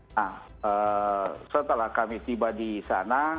nah setelah kami tiba di sana